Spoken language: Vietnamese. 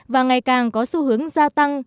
và ngày càng có xu hướng gia tăng